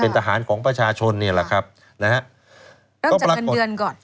ทหารของประชาชนเนี่ยแหละครับนะฮะเริ่มจากเงินเดือนก่อน